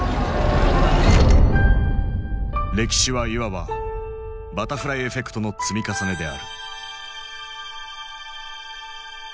歴史はいわば「バタフライエフェクト」の積み重ねである。